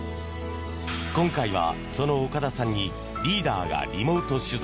今回はその岡田さんにリーダーがリモート取材。